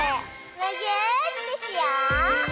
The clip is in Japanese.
むぎゅーってしよう！